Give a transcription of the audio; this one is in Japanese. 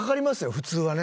普通はね。